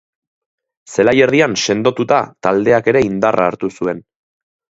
Zelai erdian sendotuta taldeak ere indarra hartu zuen.